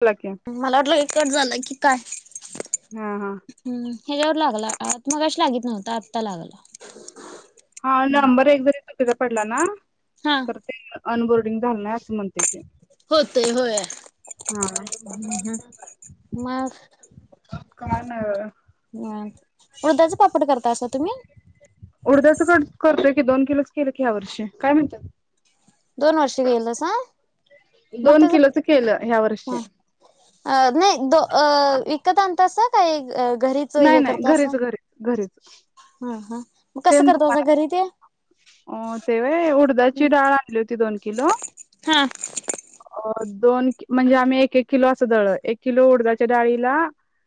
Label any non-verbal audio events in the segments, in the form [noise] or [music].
बोला की मला वाटलं ऐक तास झालं की काय? हा हा. ह्याच्यावरवर लागला मगशी लागीत नव्हत आत्ता लागला. हा नंबर एक जरी सुट्टीला पडला ना. हा. तर ते अनबोर्डिंग झालय असं म्हण. होतय होय हा हम् हम्. मग काय नाही ह मृधचा पापड करत अस. उडद्याच करतोय की दोन किलोच केले की ह्या वर्षी काय म्हणतात. दोन वर्ष गेल तस मग दोन तच. किलोच केलं ह्या वर्षी अ नाही द अ विकत अन तस काही. घरीच नाही हे नाही करत असा घरीच घरीच घरीच हा हा मग कसं करत असा घरीच अ ते होय उडदाची डाळ आणली होती दोन किलो हा. दोन म्हणजे आम्ही एक एक किलो असं दळल एक किलो उडदाच्या डाळीला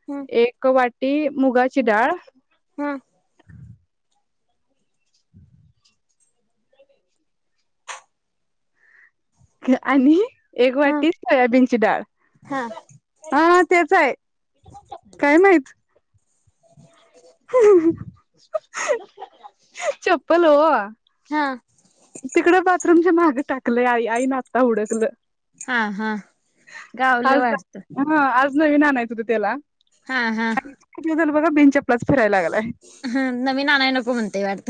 ह एक वाटी मुगाची डाळ ह [unintelligible] आणि एक ह वाटी सोयाबीनची डाळ. हा हा तेच आहे काय माहित? चप्पल हो. हा. तिकडे बाथरूमच्या माग टाकलंय आई आई न आता हुडकलं. हा हा गावलं आज वाटत हा आज नवीन आणायच होतं त्याला. हा हा. ब बि बस फिरायला लागलाय. नवीन आणाय नको म्हणतय वाटत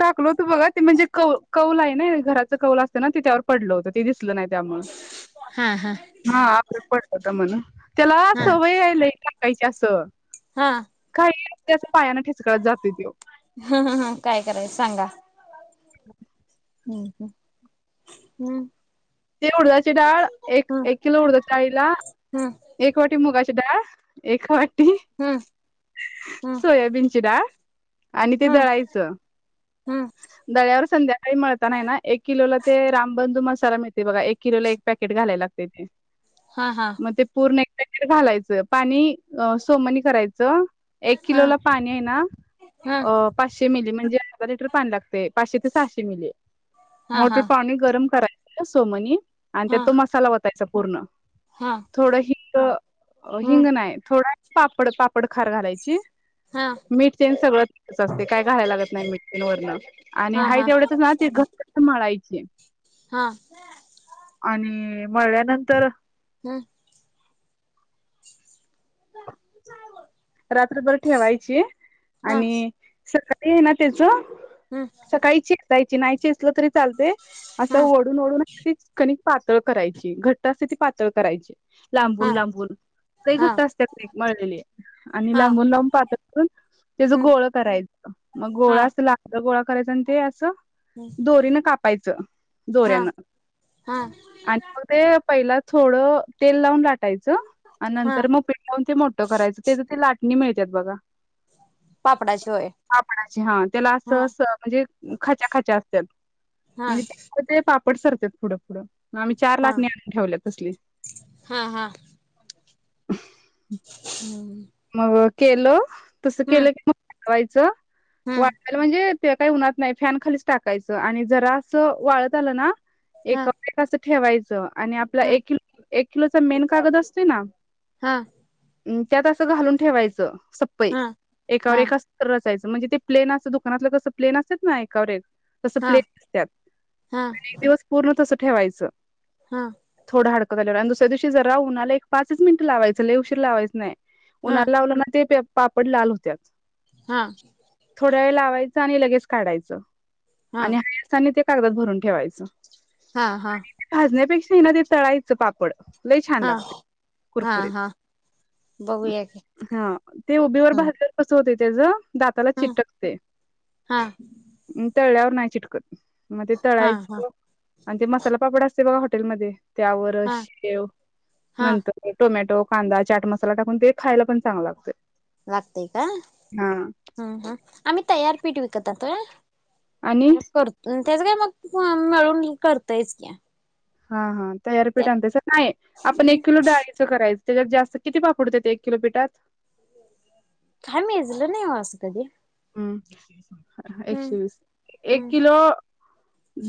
टाकलो तू बघ ते म्हणजे कौ कौल आहे ना घराचं कौल असतं ना त त्यावर पडलं होतं ते दिसलं नाही त्यामुळ हा आपलं पडलं होत म्हणून त्याला हा सवय आहे लय टाकायची असं. हा. पायान ठेचकळत जातोय तो. ह ह ह काय करायच सांगा. [unintelligible] हम्म हम्म. हम्म. ते उडदाची डाळ एक किलो उडदाच्या डाळीला, हम्म एक वाटी मुगाची डाळ एक वाटी हम्म हम्म सोयाबीनची डाळ. आणि ते हम्म हम्म दळायच. हम्म दळ्यावर संध्याकाळी मळतांना आहे ना एक किलोला ते रामबंधू एक किलोला ऐक पॅकेट घालाय लागते ते हा हा मग ते पूर्ण पॅकेट घालायचं पाणी सोमनी करायचं. एक हा किलो ला पाणी आहे ना हा अ पाचशे मिली म्हणजे अर्धा लिटर पाणी लागते. पाचशे ते सहाशे मिली हा मोठे हा पाणी गरम करा सोमनी आणि त्यात हा तो मसाला वतायचा पूर्ण हा थोडं हींग हम्म हिंग नाय थोडा पापड पापड खार घालायची. हा मीठ, तेल सगळं असते काय घालाय लागत नाही मीठ तेन वरन. आणि हा हा हाये एवढ्यातच ना ते घट्ट मळायचे. हा. आणि मळल्यानंतर हम्म रात्रभर ठेवायची हा आणि सकाळी आहे ना त्याच हम्म सकाळी चेचायची नाही चेचलं तरी चालते असं हा ओढून ओढून कणी पातळ करायची घट्ट असते ती पातळ करायची लांबून हा लांबून काही हा घट्ट असते काही. मळलेली. आणि हा लांबून लांबून पातळ करून त्याच हम्म गोळ करायचं मग हा गोळा असं लांब गोळा करायच ते असं दोरीनं कापायचं हा दोऱ्यान हा आणि मग ते पहिला थोडं तेल लावून लाटायचं आणि हा नंतर मग पीठ लावून ते मोठं करायचं. त्याच ते लाटणी मिळतात बघा. पापडा पापडाची हा त्याला असं अस म्हणजे खाच्या खाच्या असत्यात. हा म्हणजे ते पाप पटसरते पुढं पुुढं मग आम्ही चार हा लाटणे आनून ठेवल्यात तसली. हा हा ह. हम्म. मग केलं तस केलं की मग वाढवायचं हम्म वाढवायला म्हणजे ते काही उनात नाही फॅन खालीच टाकायचं, आणि जरा अस वाळत आलं ना ए हा ठेवायचं आणि आपला हा एकि एक किलोचा मेन कागद असते ना. हा त्यात असं घालून ठेवायचं, सप्पई हा एकावर हा एकात यचं म्हणजे ते प्लेन असं दुकानातलं कसं प्लेन असत ना एकावर एक तस हा प्लेन असत हा आणि एक दिवस पूर्ण तस ठेवायचं. हा हडं झा आणि दुस्या दिवशी ज राह मला एक पाच मिंट लावायं लवशीर लावायचं नाही. हा उन्हाळाला लावलं ना ते पापड लाल होत्यात. हा थोड्या वेळ लावायचं आणि लगेच काढायचं. आणि हा असतानी ते कागदात भरून ठेवायचं. हा हा भाजण्यापेक्षा ना ते तळायचं पापड लई छान हा लागते हा कुरकुरीत हा बघूया की हा ते उभीवर ह भजल्यावर कस होत त्याच दाताला ह चिटकते हा तळळ्यावर नाही चिटकत मग ते हा तळायच हा आणि ते मसाला पापड असते बघा हॉटेलमध्येध्ये त्यावर हा शेव हा नंतर टोमॅटो कांदा चाट मसाला टाकून ते खायला पण चांग लागत. लागतेय का हम् हम आम्ही तयारपीठ विकत आतोय. आणि करत त्याच काय मग मिळून करतायच क्या हा हा तयारपीठ आणच नाही आपण एक किलो डाळीचं करायचं. त्याच्यात जास्त किती पापडते ते एक किलोपीठात काय मेजलं नाही असं कधी हम् हम्म एकशे वीस एक हम्म किलो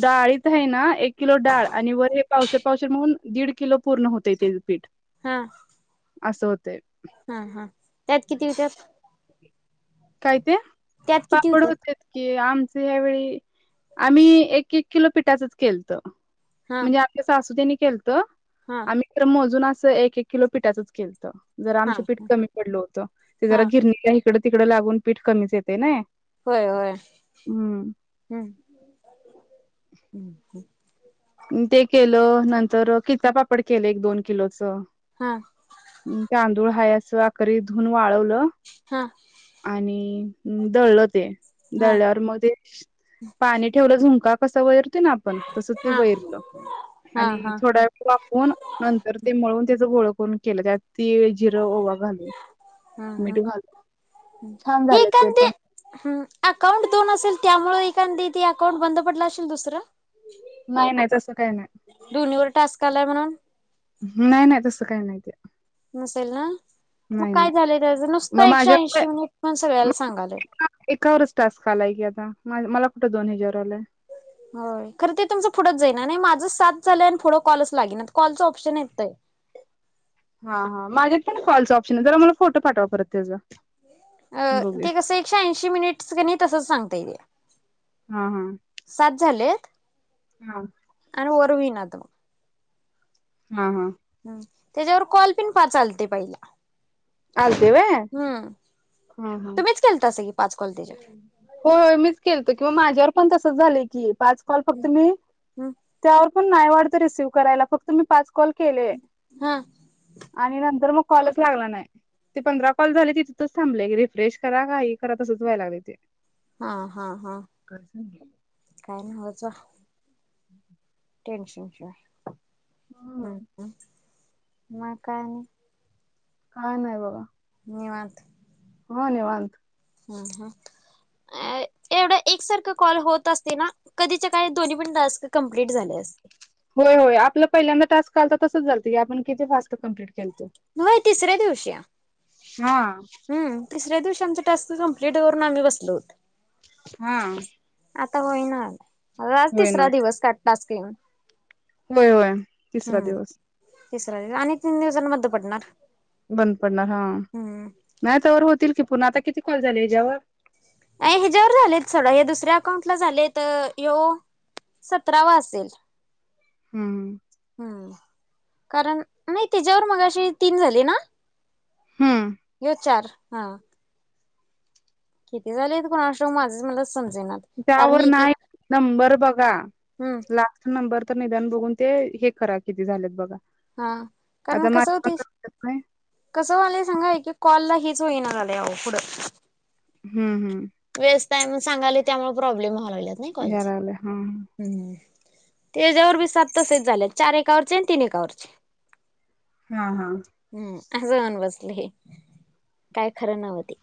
डाळीत आहे ना एक किलो डाळ आणि वर पावश पावश म्हणून दीड किलो पूर्ण होतं ते पीठ हा असं होतेय. हा हा त्यात किती विचार काय ते किती पापड होत्यात होत की आमच ह्यावेळी आम्ही एक एक किलो पिठाचच केलत. हा म्हणजे आमच्या सासू त्यांनी केलत. हा आम्ही तर मोजून असं एक एक किलो पिठाचच केल. जरा हा आमचं पीठ कमी पडलं होतं. ते हा जरा गिरणीला इकडं तिकड लागून पीठ कमीच येते ना. होय होय हम्म. ते केलं नंतर कि्चापापड केलं एक दोन किलोच. हा हम तांदूळ हा अस अकरी धुन वाळवलं. हा आणि दळल ते हा दळ्यावर मग ते पाणी ठेवलं झुंका कसा वैरतोय ना आपण ते हा वैरलं हा आणि हा थोड वेळ वापून नंतर ते मळून त्या घेतलं. पूण केलं त्यात ती तिळ, जिरं ओवा घालून हा हा मीठ घालून छान हे झाले ते कंदे पण हम् अकाउंट दोन असेल त्यामुळे एखांदित ते अकाउंट बंद पडलं असेल दुसरं. नाही नाही तस काही नाही दोन्हीवर टास्क आलाय म्हणून नाही नाही तसं काही नाही. ते नसे ल ना मग नाही काय झालंय नाही त्याच नुसत मग एकशे माझ्या ऐंशी मी पण सगळ्याला सांगालोय. एकावरच टास्क आलाय की आता म मला कुठं दोन हेच्यावर आलाय. होय खरं ते तुमचं पुढंच जाईना नाही माझं सात झालं आणि पुढं कॉलच लागे ना कॉलचं ऑप्शन येतय. टक [unintelligible] हा हा माझ्यात पण कॉलच ऑप्शन आहे, जरा मला फोटो पाठवा परत त्याचा. अ बघूया ते कस एकशे ऐंशी मिनिट्स कनी तस सांगतय ते हा हा सात झालेत हा वर हुईना तो हा हा हम् त्याच्यावर कॉल पण पाच आलते पहिला आलते व्हय हम्म हा हा. तुम्हीच केलतासा की पाच कॉल त्याच्यावर होय होय मीच केलतो माझ्यावर पण तसच झालंय की पाच कॉल फक्त मी हम्म त्यावर पण नाही वाढत रिसीव्ह करायला फक्त मी पाच कॉल केले हा आणि नंतर मग कॉलच लागला नाही ते पंधरा कॉल झाले तिथेच थांबले रिफ्रेश करा काही करा तसंच व्हाय लागलय ते हा हा हा काय सांगितलं काय नव्हचं बाई हम् टेन्शन मग काय आणि काय नाही बाबा निवांत हो निवांत हम् ह अ एवढा एकसारख कॉल होत असते ना कधीच्या काही दोन्हीपण टास्क कंप्लीट झाले असते. होय होय आपलं पहिल्यांदा टास्क आलता तसच झालत की आपण किती फास्ट कंप्लीट केलंत. होय तिसऱ्या दिवशी हा हम् तिसऱ्या दिवशी आमच टास्क कंप्लीट करून आम्ही बसलो होतो. हा आता होईना आज होय ना तिसरा दिवस का टास्क येेऊन. होय होय तिसरा दिवस तिसरा दिवस आणि तीन दिवसांनी बंद पडणार बंद पडणार हा हम्म नाही. तवर होतील की पुन्हा आता किती कॉल झाले हेच्यावर अकाउंट ला झाले तर यो सतरावा असेल हम् हम हम्म कारण नाही त्याच्यावर मगाशी तीन झाले ना? हम्म हे चार हा किती झाले कोनास ठावूक माझंच मला समजेनात कारण त्यावर एक एक नाय नंबर बघा हम्म लास्ट नंबर तर निदान बघून ते हे करा किती झालेत बघा. हा कारण आता कस माझं पण होतय करतात नाही कस व्हालयं सांगा एक एक कॉलला हे च होईना झालंय पुढ हम्म हम्म टायमिंग सांगालय त्यामुळे प्रॉब्लेम व्हाय लागल्यात नाही या कॉलच लागलंय हा. त्याच्यावर बी सात तसेच झाले चार एकावरचे आणि तीन एकावरचे हा हा हम्म अस होऊन बसले काय खर नव्ह ते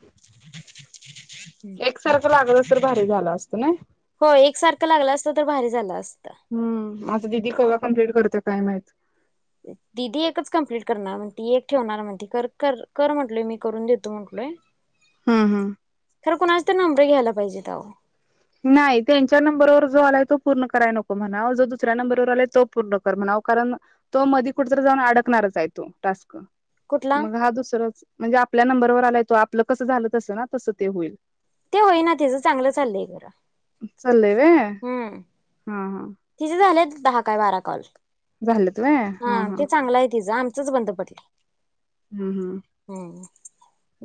एकसारखं लागलं तर भारी झालं असत नाही. हो एकसारखं लागलं असत तर भारी झालं असतं. हम्म माझं दिदी कवा कम्प्लीट करते काय माहित. दिदी एकच कम्प्लीट करणार म्हणते एक ठेवणार म्हणती कर कर कर म्हंटलय मी करून देतो म्हंटलोय. हा हा खरं कोणाच तर नंबर घ्यायला पाहिजेत अहो. नाही त्यांच्या नंबरवर जो आलाय तो पूर्ण करायला नको म्हणा जो दुसऱ्या नंबरवर आलाय तो पूर्ण कर म्हणा. कारण तो मधी कुठ जाऊन अडकणारच आहे तो टास्क कुठला मग हा दुसरच म्हणजे आपल्या नंबरवर आलाय तो आपलं कसं झालं तसं ना तस ते होईल. ते होईना तेचं चांगलं चाललंय. खरं चालय होय हम्म हा हा तिचे झालेत दहा काय बारा कॉल हा ते चांगलं आहे तिचं आमचच बंद पडल. हम्म हम्म.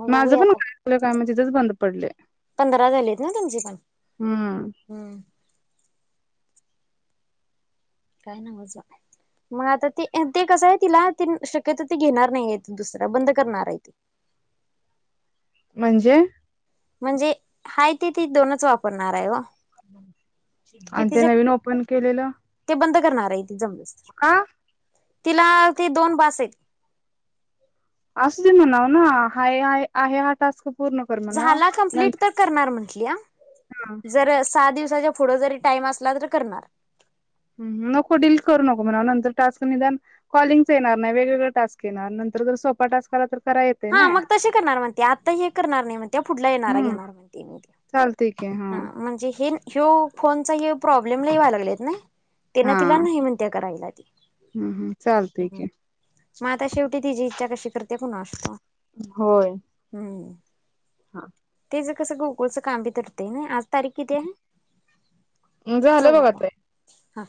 मग माझं बघूया पण आता आपलं कायम तिथेच बंद पडले. पंधरा झालेत ना तुमची पण हम्म हम्. काय ना मजा. मग आता ते ते कसं आहे तिला ते शक्यत ते घेणार नाहीय दुसरं बंद करणार आहे ती. म्हणजे? म्हणजे हा ते त दोनच वापरणार ओ. आणि ते नवीन ओपन केलेलं? ठेवणार आहे ती जमलं तर का तिला ते दोन बासेत असु दे म्हणाव ना हाय आहे आहे हा टास्क. पूर्ण कर म्हणाव झाला कम्प्लीट नंतर तर करणार म्हण. ह्या जर सहा दिवसाच्या पुढं टाइम असला तर करणार. ह नको डील करू नको म्हणाव नंतर टास्क निदान कॉलिंग येणार नाही वेगवेगळ टास्क येणार ना. तरी बर स्वतः टास्क आला तर. करा येते ना हा मग तसे करणार म्हणते आता हे करणार नाही म्हणते पुढला येणारा हम्म घेणार म्हणते मी ते. चालतय की हा म्हणजे हे ह्यो फोनचा हे प्रॉब्लेम लय यायला लागलेत ना तेन हा तिला नाही म्हणत्या करायलात. हम्म हम्म चालतय की मग आता शेवटी तिजी. आता कशी करते कुणास ठाऊक? होय हा. ते कस गुगलचं कामबी करते ना आत. तारीख किती आहे झालं बघा ताई चवदा.